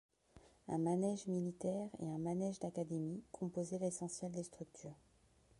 Un manège militaire et un manège d'académie composaient l'essentiel des structures.